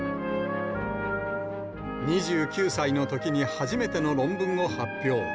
２９歳のときに初めての論文を発表。